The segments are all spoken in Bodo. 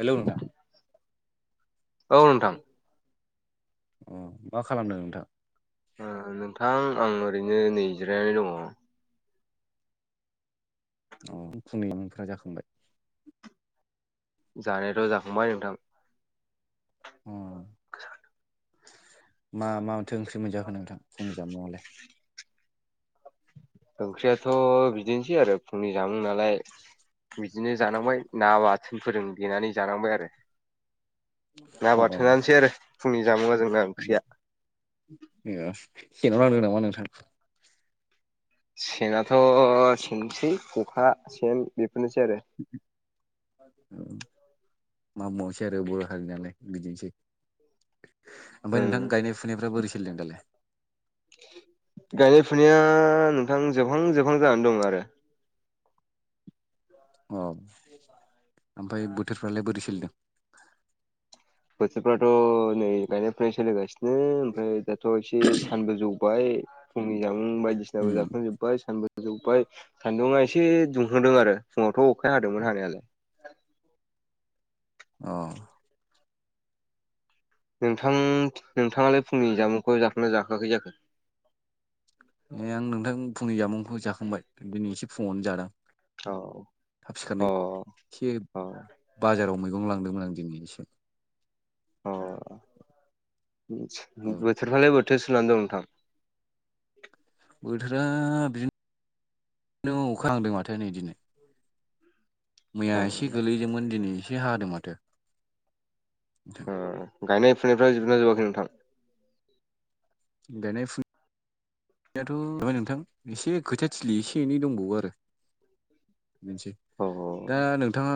हेलौ नोंथां औ नोंथां अ मा खालाम ओ नोंथां आं ओरैनो नैज्रायनानै दङ। अ फुंनि मुंफ्रा जाखांबाय जानायाथ' जाखांबाय नोंथां उम मा मा माथो ओंख्रि मोनजाखो नोंथां फुंनि जामुङावलाय ओंख्रियाथ' बिदिनोसै आरो फुंनि जामुं नालाय बिदिनो जानांबाय ना ब फोरों देनानै जानांबाय आरो ना अ बाथोनानैसै आरो फुंनि जामुङा जोंना ओंख्रिया। ए जेनाव नांदों नामा नोंथांखौ सेनथ' सेनसै खखा सेन बेफोरनोसै आरो औ मा मावबावनोसै आरो बर' हारि नालाय बिदिनोसै ओमफ्राय नोंथां गायनाय फुनायफ्रा बोरै सोलिदों दालाय? गायनाय फुनाया नोंथां जोबहां जोबहां जानानै दं आरो अ ओमफ्राय बोथोरफ्रालाय बोरै सोलिदों बोथोरफथ' नै गायनायफ्राय सोलिगासिनो ओमफ्राय थ' एसे सानबो जौबाय फुंनि जामुं बायदिसिनाबो उम जाखांजोब जोबबाय सानदुं जोबबाय सान्दुंङा एसे दुंहोदों आरो फुङावथ' अखााया हादोंमोन हानायालाय अ नोंथां नोंथाङालाय फुंनि जामुंखौ जाख'ना जाखोआाखै जाखो? ए आं नोंथां फुंनि जामुंखौ जाखांबाय दिनै एसे फङावनो जादों। औ थाब अ सिखारनाय एसे अ बाजाराव मैगं लांदोंमोन आं दिनै एसे अ औ बोथोरफ्रालाय बोथोर सुनानै दं नोंथां। बोथोरा बिदिनो नों अखा हांदों माथो नै दिनै मैया अ एसे गोलैदोंमोन दिनै एसे हादों माथो। ओ गायनाय फुनायफ्रा जोबना जोबवाखै नोंथां गनाय फु याथ' माबाय नोंथां एसे खोथा थिलि एसे एनै दंबावो आरो बेनोसै औ दा नोंथाङा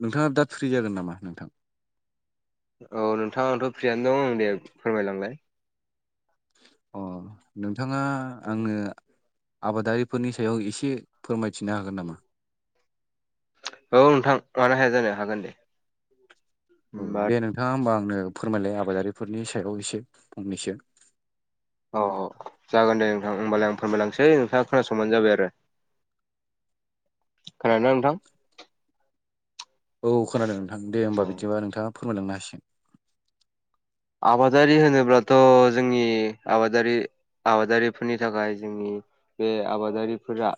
नोंथाङा दा फ्रि जागोन नामा नोंथां। औ नोंथाङथ' फ्रियानो दं आं दे फोरमायलांलाय। अ नोंथाङा आंनो आबादारिफोरनि सायाव एसे फोरमायथिनो हागोन नामा। औ नोंथां मानो हाया जानो हागोन दे। औ होमबा दे नोंथाङा होमबा आंनो फोरमायलाय आबादारिफोरनि सायाव एसे फंनैसो। औ जागोन दे नोंथां होमबालाय आं फोरमायलांसै नोंथाङा खोनासंबानो जाबाय आरो खोनादोंना नोंथां औ खोनादों नोंथां दे औ होमबा बिदिबा नोंथाङा फोरमायलांनो हासिगोन। आबादारि होनोब्ला थ जोंनि आबादारि आबादारिफोरनि थाखाय जोंनि बे आबादारिफोरा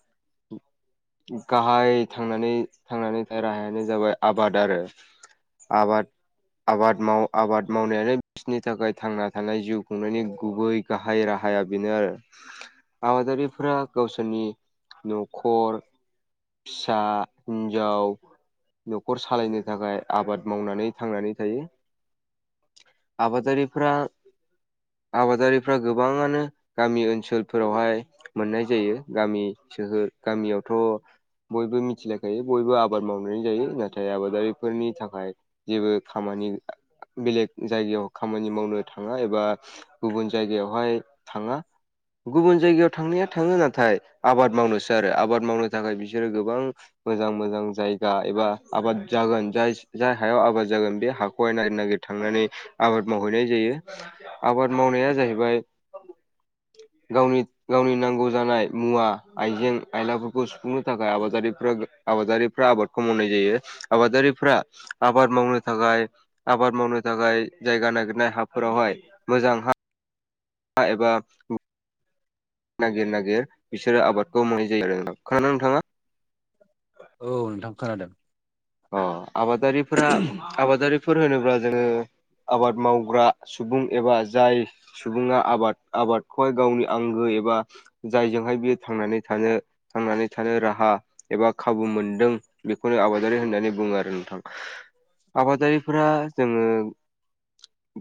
गाहाय थांनानै थांनानै थानाय राहायानो जाबाय आबाद आरो। आबाद आबाद माव आबाद मावनायानो बिसनि थाखाय थांना थानाय जिउ खुंनायनि गुबै गाहाय राहाया बेनो आरो आबादारिफोरा गावसोरनि नखर फिसा हिन्जाव नखर सालायनो थाखाय आबाद मावनानै थांनानै थायो। आबादारिफ्रा आबादारिफ्रा गोबाङानो गामि ओनसोलफोरावहाय मोननाय जायो गामि सोहोर गामियावथ' बयबो मिथिलायखायो बयबो आबाद मावनानै जायो नाथाय आबादारिफोरनि थाखाय जेबो खामानि बेलेग जायगायाव खामानि मावनो थाङा एबा गुबुन जायगायावहाय थाङा। गुबुन जायगायाव थांनाया थाङो नाथाय आबाद मावनोसो आरो। आबाद मावनो थाखाय बिसोरो गोबां मोजां मोजां जायगा एबा आबाद जागोन जाय जाय हायाव आबाद जागोन बे हाखौहाय नागिर नागिर थांनानै आबाद मावहैनाय जायो आबाद मावनाया जाहैबाय गावनि गावनि नांगौ जानाय मुवा आइजें आयलाफोरखौ सुफुंनो थाखाय आबादारिफोरा गो बां आबादारिफ्रा आबादखौ मावनाय जायो आबादारिफ्रा आबाद मावनो थाखाय आबाद मावनो थाखाय जायगा नागिरनाय हाफोरावहाय मोजां हा एबा नागिर नागिर बिसोरो आबादखौ मावनाय जायो आरो नोंथान खोनादोंना नोंथाङा? औ नोंथां खोनादों। औ आबादारिफोरा आबादारिफोर होनोब्ला जोङो आबाद मावग्रा सुबुं एबा जाय सुबुङा आबाद आबादखौहाय गावनि आंगो एबा जायजोंहाय बियो थांनानै थानो थांनानै थानो राहा एबा खाबु मोनदों बेखौनो आबा दारि होननानै बुङो आरो नोंथां। आबादारिफोरा जोङो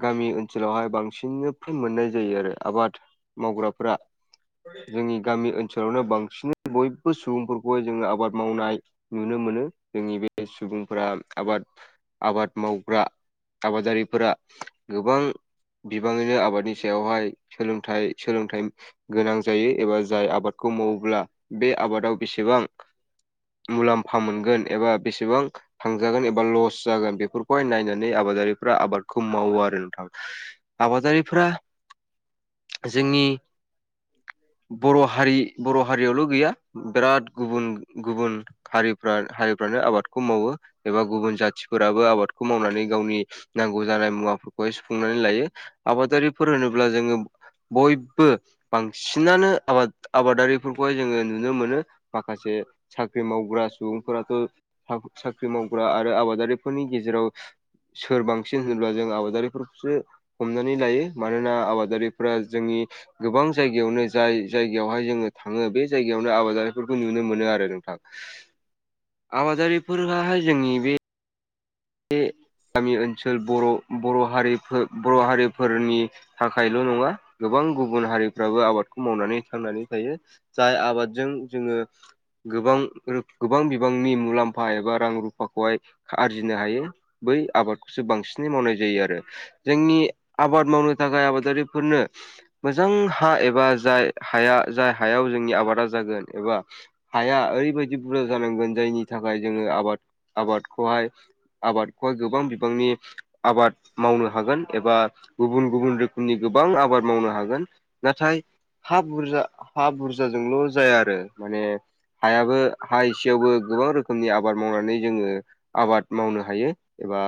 गामि ओनसोलावहाय बांसिननो मोननाय जायो आरो। आबाद मावग्राफोरा जोंनि गामि ओनसोलावनो बांसिनै बयबो सुबुंफोरखौहाय जों आबाद मावनाय नुनो मोनो जोंनि बे सुबुंफोरा आबाद आबाद मावग्रा आबादारिफोरा गोबां बिबाङैनो आबादनि सायावहाय सोलोंथाइ सोलोंथाइ गोनां जायो एबा जाय आबादखौ मावोब्ला बे आबादाव बेसेबां मुलाम्फा मोनगोन एबा बेसेबां थांजागोन एबा लस जागोन बेफोरखौहाय नायनानै आबादारिफ्रा आबादखौ मावो आरो नोंथां। आबादारिफोरा जोंनि बर' हारि बर' हारियावल गैया बिराद गुबुन गुबुन हारिफ्रा हारिफ्रानो आबादखौ मावो एबा गुबुन जाथिफोराबो आबादखौ मावनानै गावनि नांगौ जानाय मुवाफोरखौहाय सुफुंनानै लायो। आबादारिफोर होनोब्ला जोङो बयबो बांसिनानो आबाद आबादारिफोरखौहाय जोङो नुनो मोनो माखासे साख्रि मावग्रा सुबुंफोराथ' साख्रि मावग्रा आरो आबादारिफोरनि गेजेराव सोर बांसिन होनोब्ला जों आबादारिफोरखौसो हमनानै लायो। मानोना आबादारिफोरा जोंनि गोबां जायगायावनो जाय जायगायावहाय जोङो थाङो बे जायगायावनो आबादारिफोरखौ नुनो मोनो आरो नोंथां। आबादारिफोराहाय जोंनि बे गामि ओनसोल बर' बर' हारिफोर बर' हारिफोरनि थाखायल' नङा गोबां गुबुन हारिफ्राबो आबादखौ मावनानै थांनानै थायो। जाय आबादजों जोङो गोबां रो गोबां बिबांनि मुलाम्फा एबा रां रुफाखौहाय आरजिनो हायो बै आबाद सो बांसिनै मावनाय जायो आरो जोंनि आबाद मावनो थाखाय आबादारिफोरनो मोजां हा एबा जाय हाया जाय हायाव जोंनि आबादा जागोन एबा हाया ओरैबायदि बुरजा जानांगोन जायनि थाखाय जोङो आबाद-आबादखौहाय आबादखौहाय गोबां बिबांनि आबाद मावनो हागोन एबा गुबुन गुबुन रोखोमनि गोबां आबाद मावनो हागोन। नाथाय हा बुरजा हा बुरजा बुरजाजोंल' जाया आरो माने हायाबो हा एसेयावबो गोबां रोखोमनि आबाद मावनानै जोङो आबाद मावनो हायो एबा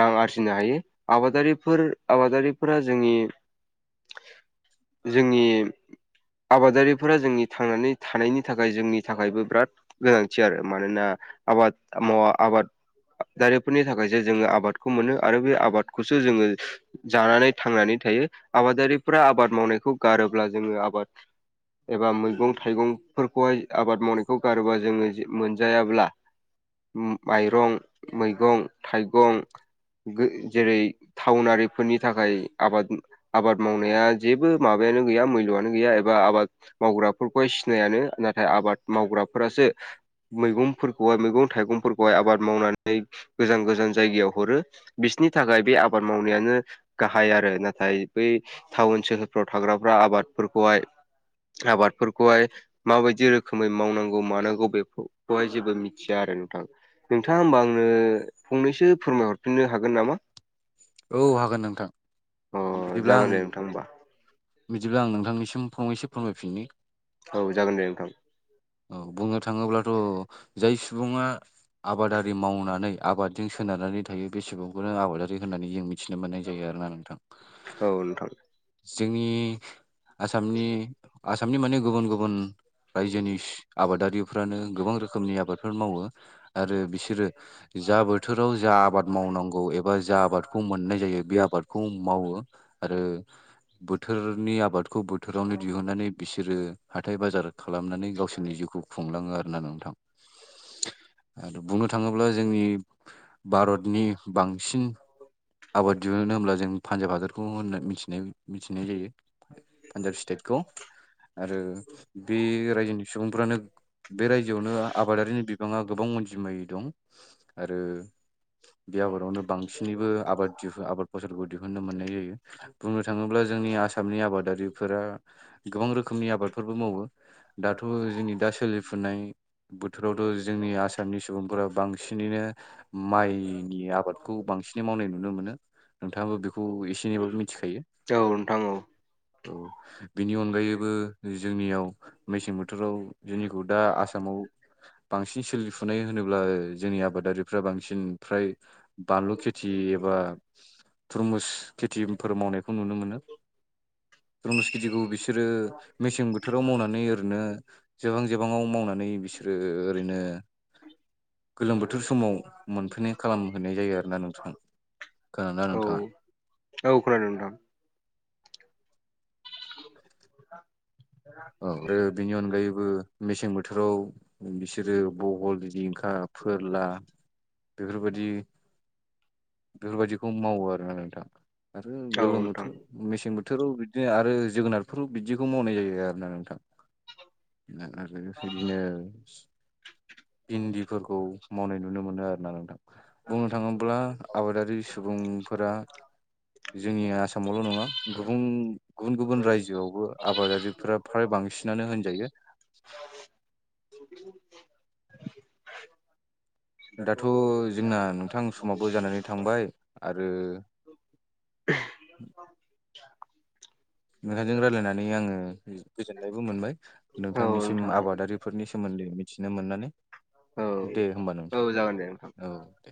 रां आरजिनो हायो आबादारिफोर आबादारिफोरा जोंनि जोंनि आबादारिफोरा जोंनि थांनानै थानायनि थाखाय जोंनि थाखायबो बिराद गोनांथि आरो मानोना आबाद मावा आबाद दारिफोरनि थाखायसो जोङो आबादखौ मोनो आरो बे आबादखौसो जोङो जानानै थांनानै थायो आबादारिफ्रा आबाद मावनायखौ गारोब्ला जोङो आबाद एबा मैगं थाइगं फोरखौहाय आबाद मावनायखौ गारोबा जोङो मोनजायाब्ला माइरं मैगं थाइगं गो जेरै थाउनारिफोरनि थाखाय आबाद आबाद मावनाया जेबो माबायानो गैया मैल'आनो गैया एबा आबाद मावग्राफोरखौहाय सिनायानो नाथाय आबाद मावग्राफोरासो मैगंफोरखौहाय मैगं थाइगंफोरखौहाय आबाद मावनानै गोजान गोजान जायगायाव हरो बिसनि थाखाय बे आबाद मावनायानो गाहाय आरो नाथाय बै‌ टाउन सोहोरफ्राव थाग्राफ्रा आबादफोरखौहाय आबादफोरखौहाय माबायदि रोखोमै मावनांगौ मानांगौ बेखौ बेखौहाय जेबो मिथिया आरो नोंथां नोंथाङा होमबा आंनो फंनैसो फोरमायहरफिननो हागोन नामा? औ हागोन नोंथां अ बिदिब्ला जागोन आं दे नोंथां होमबा बिदिब्ला आं नोंथांनिसिम फंनैसो फोरमायफिननि औ जागोन दे नोंथां। औ बुंनो थाङोब्लाथ' जाय सुबुङा आबादारि मावनानै आबादजों सोनारनानै थायो बे सुबुंखौनो आबादारि होननानै जों मिथिनो मोननाय जायो आरोना नोंथां औ नोंथां जोंनि आसामनि आसामनि माने गुबुन गुबुन रायजोनि आबादारिफ्रानो गोबां रोखोमनि आबादफोर मावो आरो बिसोरो जा बोथोराव जा आबाद मावनांगौ एबा जा आबाद खौ मोननाय जायो बे आबादखौ मावो आरो बोथोरनि आबादखौ बो थोरावनो दिहुननानै बिसोरो हाथाय बाजार खालामनानै गावसो‌ नि जिउखौ खुंलाङो आरोना नोंथां। आरो बुंनो थाङोब्ला जोंनि भारतनि बांसिन आबाद दिहुननो होमब्ला जों पान्जाब हादरखौ होनना मिथिनाय मिथिनाय जायो पान्जाब स्टेटखौ आरो बे रायजोनि सुबुंफ्रानो बे रायजोआवनो आबादारिनि बिबाङा गोबां अनजिमायै दं। आरो बे आबादावनो बांसिनैबो आबाद दिह आबाद फसलखौ दिहुनो मोननाय जायो। बुंनो थाङोब्ला जोंनि आसामनि आबादारिफोरा गोबां रोखोमनि आबादफोरबो मावो दा थ' जोंनि दा सोलिफुनाय बोथोरावथ' जोंनि आसामनि सुबुंफोरा बांसिनैनो माइनि आबाद खौ बांसिनै मावनाय नुनो मोनो नोंथाङाबो बेखौ एसे एनैबाबो मिथिखायो। औ नोंथां औ औ बिनि अनगायैबो जोंनियाव मेसें बो बोथोराव जोंनिखौ दा आसामाव बांसिन सोलिफुनाय होनोब्ला जोंनि आबादारिफ्रा बांसिन फ्राय बानु खेथि एबा थरमुस खेथिफोर मावनायखौ नुनो मोनो। रंस्केतिखौ बिसोरो मेसें बोथोराव मावनानै ओरैनो गोबां जबाङाव मावनानै बिसोरो ओरैनो गोलोम बोथोर समाव मोनफैनाय खालामहोनाय जायो आरोना नोंथां। खोनादोंना औ नोंथाङा? औ खोनादों नोंथां। [inaudible] औ ओमफ्राय बेनि अनगायैबो मेसें बोथोराव बिसोरो बहल दिंखा फोरला बेफोरबायदि बेफोरबायदिखौ मावो आरो न नों दा आरो औ गोलोम नोंथां बोथोर मेसें बोथोराव बिदिनो आरो जोगोनारफोर बिदिखौ मावनाय जायो आरो। आरो बिदिनो भिन्दिफोरखौ मावनाय नुनो मोनो आरोोना नोंथां बुंनो थाङोब्ला आबादारि सुबुंफोरा जोंनि आसामावल' नङा गुबुं गुबुन गुबुन रायजोआवबो आबादारिफोरा फ्राय बांसिनानो होनजायो। दाथ' जोंना नोंथां समावबो जानानै थांबाय आरो। मेखाइजों रायजलायनानै आङो गोजोननायबो मोनबाय औ नोंथांनिसिम नोंथां आबादारिफोरनि सोमोन्दै मिथिनो मोननानै औ दे होमबा औ नोंथां जागोन दे नोंथां औ दे